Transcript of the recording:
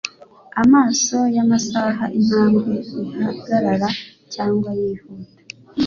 Amaso yamasaha intambwe ihagarara cyangwa yihuta